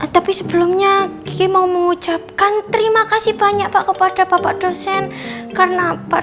tapi sebelumnya saya mau mengucapkan terima kasih banyak pak kepada bapak dosen karena pak